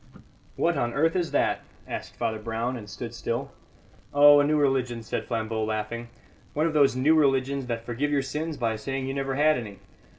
"What on earth is that?" asked Father Brown, and stood still. "Oh, a new religion," said Flambeau, laughing; "one of those new religions that forgive your sins by saying you never had any.